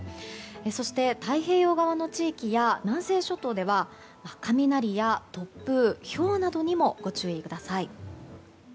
そして、太平洋側の地域や南西諸島では雷や突風、ひょうなどにもご注意ください。